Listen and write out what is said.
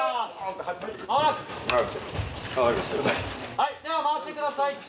はい回してください。